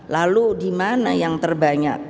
lalu di mana yang terbanyak